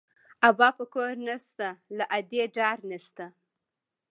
ابا په کور نه شته، له ادې ډار نه شته